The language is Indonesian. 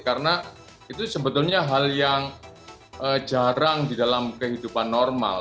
karena itu sebetulnya hal yang jarang di dalam kehidupan normal